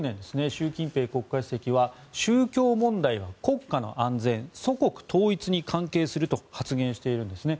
習近平国家主席は宗教問題は国家の安全祖国統一に関係すると発言しているんですね。